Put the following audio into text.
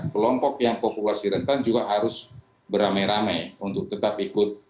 kelompok yang populasi rentan juga harus beramai ramai untuk tetap ikut